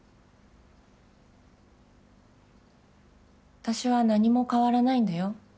私は何も変わらないんだよ